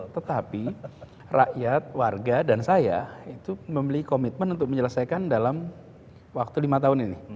tetapi rakyat warga dan saya itu memiliki komitmen untuk menyelesaikan dalam waktu lima tahun ini